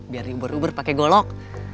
biar diuber uber pakai golok